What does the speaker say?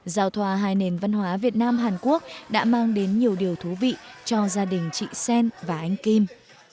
giao thoa hai nền văn hóa việt nam hàn quốc đã mang đến nhiều điều thú vị cho gia đình chị sen và anh kim